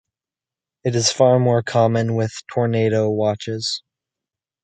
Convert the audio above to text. It is far more common with Tornado Watches.